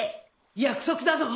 約束だぞ！